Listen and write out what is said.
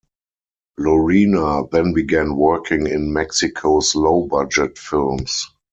Lorena then began working in Mexico's low-budget films.